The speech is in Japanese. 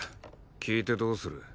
聞いてどうする？